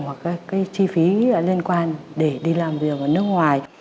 hoặc các cái chi phí liên quan để đi làm việc ở nước ngoài